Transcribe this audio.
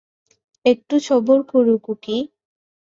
একটু সবুর কোরো খুকি।